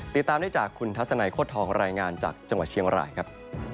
ติดตามได้จากคุณทัศนัยโค้ดทองรายงานจากจังหวัดเชียงรายครับ